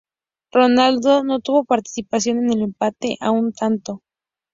Ronaldo no tuvo participación en el empate a un tanto.